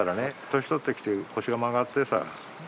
年取ってきて腰が曲がってさ難しいわ。